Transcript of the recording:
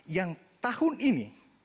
yang tahun ini